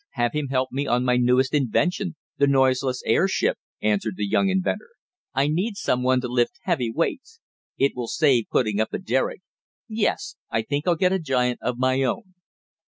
"Have him help me on my newest invention the noiseless airship," answered the young inventor. "I need some one to lift heavy weights. It will save putting up a derrick. Yes, I think I'll get a giant of my own."